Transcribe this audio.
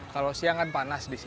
kalau siang kan panas disini